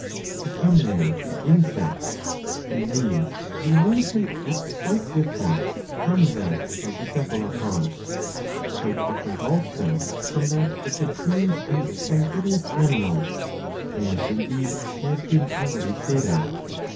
To come now to Insects. In these the arrangement is quite different from that of the. Cephalopods ; quite different also from that which obtains in sanguineous animals, as indeed has been already stated.